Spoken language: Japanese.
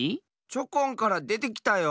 チョコンからでてきたよ。